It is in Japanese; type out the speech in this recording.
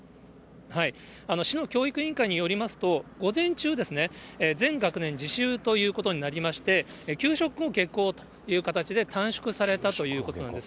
市の教育委員会によりますと、午前中、全学年自習ということになりまして、給食後、下校ということで、短縮されたということなんです。